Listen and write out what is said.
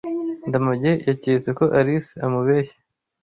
Ndamage yaketse ko Alice amubeshya.